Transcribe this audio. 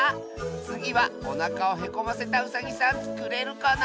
つぎはおなかをへこませたウサギさんつくれるかな？